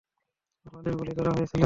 আমাদের গুলি করা হয়েছিলো।